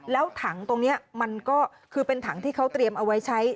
แล้วถังตรงนี้มันก็คือเป็นถังที่เขาเตรียมเอาไว้ใช้